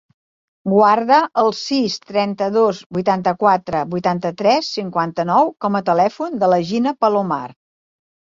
Guarda el sis, trenta-dos, vuitanta-quatre, vuitanta-tres, cinquanta-nou com a telèfon de la Gina Palomar.